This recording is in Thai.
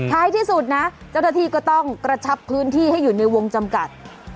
ท้ายที่สุดนะเจ้าหน้าที่ก็ต้องกระชับพื้นที่ให้อยู่ในวงจำกัด